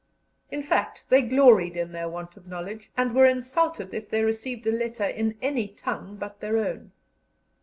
In fact, they gloried in their want of knowledge, and were insulted if they received a letter in any tongue but their own.